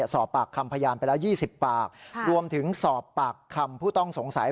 สอบปากคำพยานไปแล้ว๒๐ปากรวมถึงสอบปากคำผู้ต้องสงสัย